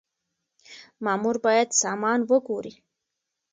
مامور بايد سامان وګوري.